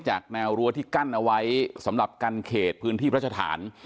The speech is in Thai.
จากแนวรั้วที่กั้นเอาไว้สำหรับการเขตพื้นที่พยาธิภาษฐาน